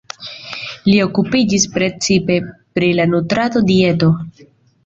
Li okupiĝis precipe pri la nutrado-dieto.